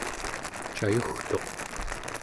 cayugtuq